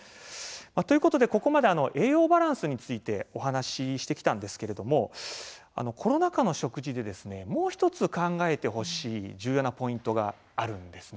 ということで、ここまで栄養バランスについてお話ししてきたんですけれどもコロナ禍の食事でもう１つ考えてほしい重要なポイントがあるんですね。